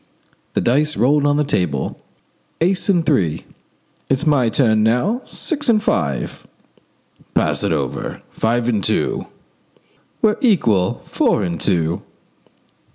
The dice rolled on the table. "Ace and three." "It's my turn now. Six and five." "Pass it over. Five and two." "We're equal. Four and two."